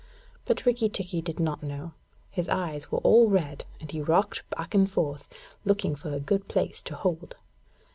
But Rikki did not know: his eyes were all red, and he rocked back and forth, looking for a good place to hold.